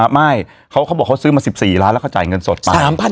ไม่เขาบอกเขาซื้อมา๑๔ล้านแล้วเขาจ่ายเงินสดไป